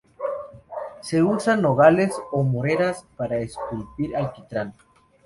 Se usan nogales o moreras para esculpir alquitrán.